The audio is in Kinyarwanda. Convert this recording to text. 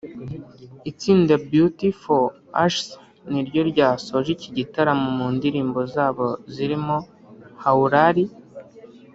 Itsinda Beauty For Ashes niryo ryasoje iki gitaramo mu ndirimbo zabo zirimo Haulali